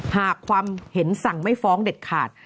หากความเห็นสั่งไม่ฟ้องเด็ดขาด